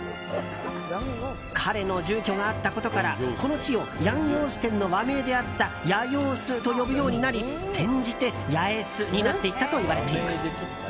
彼の住居があったことからこの地をヤン・ヨーステンの和名であったやようすと呼ぶようになり転じて、八重洲になっていったといわれています。